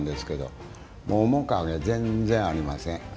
もう面影全然ありません。